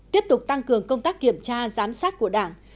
tiếp tục tăng cường công tác kiểm tra giám sát của đảng